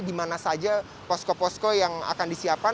jadi di mana saja posko posko yang akan disiapkan